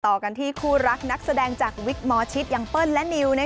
ต่อกันที่คู่รักนักแสดงจากวิกหมอชิตอย่างเปิ้ลและนิว